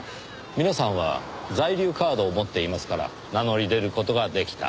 皆さんは在留カードを持っていますから名乗り出る事ができた。